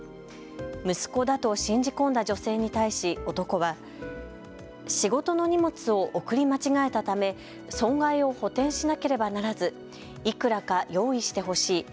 息子だと信じ込んだ女性に対し男は仕事の荷物を送り間違えたため損害を補填しなければならずいくらか用意してほしい。